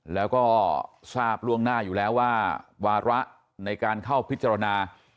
แล้วก็ทราบล่วงหน้าอยู่แล้วว่าวาระในการเข้าพิจารณา